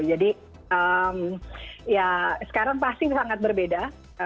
jadi ya sekarang pasti sangat berbeda